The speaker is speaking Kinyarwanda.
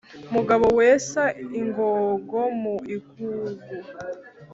mugabo wesa ingogo mu igugu